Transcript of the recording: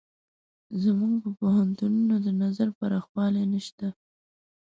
زموږ په پوهنتونونو د نظر پراخوالی نشته.